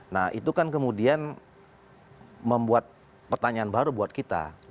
nah itu kan kemudian membuat pertanyaan baru buat kita